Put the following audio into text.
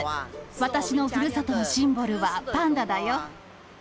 私のふるさとのシンボルはパンダだよ。